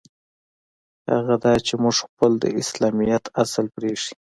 هغه دا چې موږ خپل د اسلامیت اصل پرېیښی.